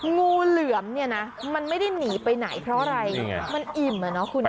งูเหลือมเนี่ยนะมันไม่ได้หนีไปไหนเพราะอะไรมันอิ่มอ่ะเนาะคุณ